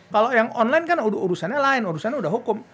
kalau yang online kan urusannya lain urusannya udah hukum